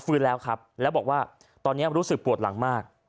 ฟื้นแล้วครับแล้วบอกว่าตอนนี้รู้สึกปวดหลังมาก